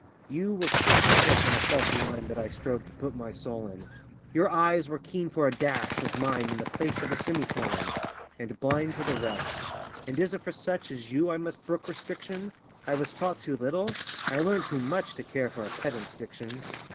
You were quick to pick on a faulty line That I strove to put my soul in: Your eyes were keen for a 'dash' of mine In the place of a semi colon And blind to the rest. And is it for such As you I must brook restriction? 'I was taught too little?' I learnt too much To care for a pedant's diction!